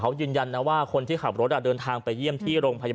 และยืนยันเหมือนกันว่าจะดำเนินคดีอย่างถึงที่สุดนะครับ